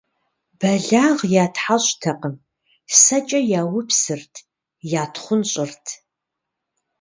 Бэлагъ ятхьэщӀтэкъым; сэкӀэ яупсырт, ятхъунщӀырт.